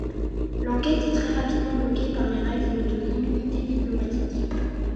L'enquête est très rapidement bloquée par les règles de l’immunité diplomatique.